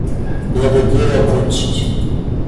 Надо дело кончить.